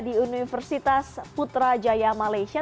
di universitas putrajaya malaysia